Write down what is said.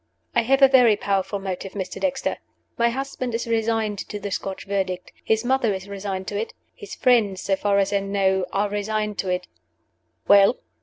"I have a very powerful motive, Mr. Dexter My husband is resigned to the Scotch Verdict His mother is resigned to it. His friends (so far as I know) are resigned to it " "Well?"